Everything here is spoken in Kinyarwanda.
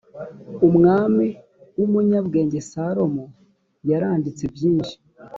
umwami w’umunyabwenge salomo yaranditse byinshi